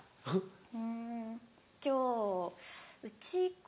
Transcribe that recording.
「うん今日うち行く？」